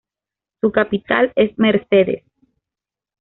Su capital es Mercedes.